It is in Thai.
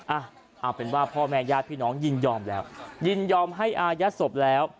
อ่ะเอาเป็นว่าพ่อแม่ญาติพี่น้องยินยอมแล้วยินยอมให้อายัดศพแล้ว